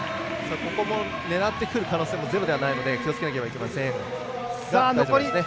ここも狙ってくる可能性もゼロではないので気をつけなければいけません。